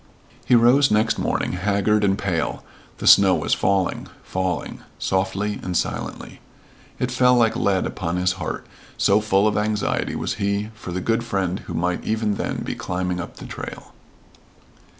He rose next morning, haggard and pale. The snow was falling falling softly and silently. It fell like lead upon his heart, so full of anxiety was he for the good friend who might even then be climbing up the trail.